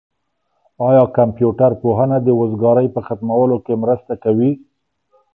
آیا کمپيوټر پوهنه د وزګارۍ په ختمولو کي مرسته کوي؟